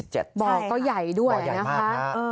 บ่อก็ใหญ่ด้วยนะครับบ่อใหญ่มากนะ